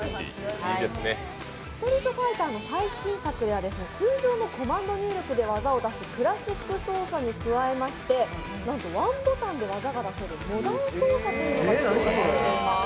「ストリートファイター」の最新作では通常のコマンド入力で技を出すクラシック操作に加えてなんとワンボタンで技が出せるモダン操作が追加されています。